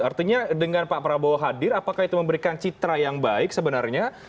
artinya dengan pak prabowo hadir apakah itu memberikan citra yang baik sebenarnya